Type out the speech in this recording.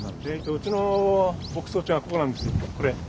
うちの牧草地はここなんですよこれ。